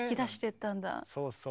そうそう。